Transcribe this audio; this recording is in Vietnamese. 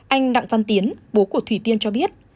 anh đặng văn tiến bố của thủy tiên cho biết